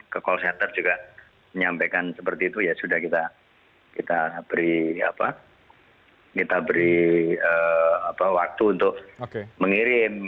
ke call center juga menyampaikan seperti itu ya sudah kita beri waktu untuk mengirim